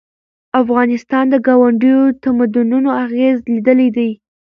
افغانستان د ګاونډیو تمدنونو اغېز لیدلی دی.